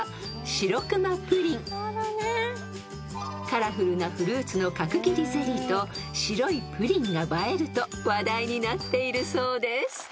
［カラフルなフルーツの角切りゼリーと白いプリンが映えると話題になっているそうです］